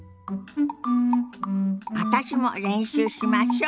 私も練習しましょ。